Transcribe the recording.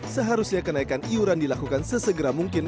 seharusnya kenaikan iuran dilakukan sesegera mungkin